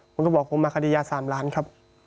มึงก็บอกว่าผมมาคดียา๓ล้านครับ